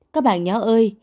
các bạn nhỏ ơi